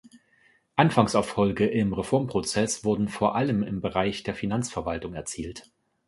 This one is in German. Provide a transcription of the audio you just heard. Anfangserfolge im Reformprozess wurden vor allem im Bereich der Finanzverwaltung erzielt.